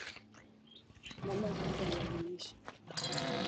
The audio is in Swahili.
namna ya kupika viazi lishe